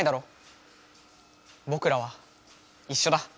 ぼくらはいっしょだ。